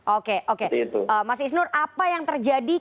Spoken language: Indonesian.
oke oke mas isnur apa yang terjadi